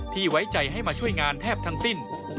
ไว้ใจให้มาช่วยงานแทบทั้งสิ้น